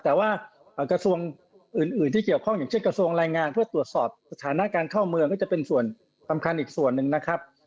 แต่ว่ากระทรวงอื่นที่เกี่ยวข้องอย่างเช่นกระทรวงรายงานเพื่อตรวจสอบสถานะการเข้าเมืองก็จะเป็นส่วนสำคัญอีกส่วนหนึ่งนะครับ